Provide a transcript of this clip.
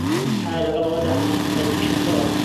ئایا لەگەڵ ئەوەدا هەناسه تەنگیشت هەیە؟